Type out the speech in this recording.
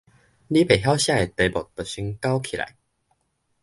你袂曉寫的題目就先勾起來